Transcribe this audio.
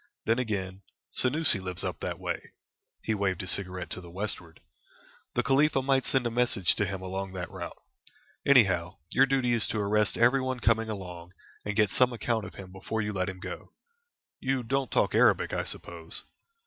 Then, again, Senoussi lives up that way" he waved his cigarette to the westward "the Khalifa might send a message to him along that route. Anyhow, your duty is to arrest everyone coming along, and get some account of him before you let him go. You don't talk Arabic, I suppose?"